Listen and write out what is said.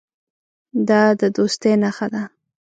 دا د دوستۍ نښه ده.